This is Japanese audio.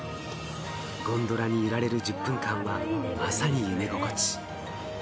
ゴンドラに揺られる１０分間はまさに夢心地。